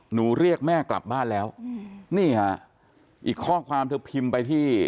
เรียกแม่กลับบ้านแล้วนี่ฮะอีกข้อความเธอพิมพ์ไปที่